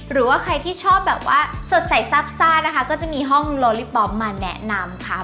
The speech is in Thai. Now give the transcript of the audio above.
หรือว่าใครที่ชอบแบบว่าสดใสซาบซ่านะคะก็จะมีห้องโลลี่ป๊อปมาแนะนำค่ะ